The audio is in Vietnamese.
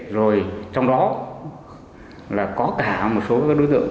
rồi trong đó là có cả một số đối tượng